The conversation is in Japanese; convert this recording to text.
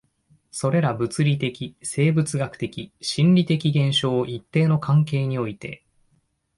それら物理的、生物学的、心理的現象を一定の関係において